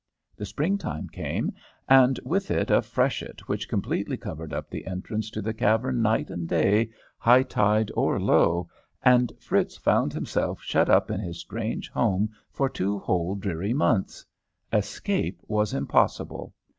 The spring time came, and with it a freshet which completely covered up the entrance to the cavern night and day, high tide or low, and Fritz found himself shut up in his strange home for two whole dreary months. Escape was impossible.